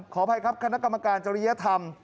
ขออภัยครับคณะกรรมการจริยธรรม